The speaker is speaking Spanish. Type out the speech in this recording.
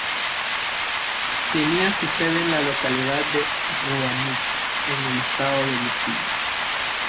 Tenía su sede en la localidad de Roanoke, en el estado de Virginia.